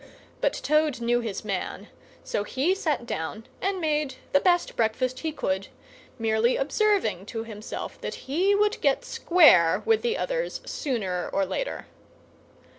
But Toad knew his man, so he sat down and made the best breakfast he could, merely observing to himself that he would get square with the others sooner or later.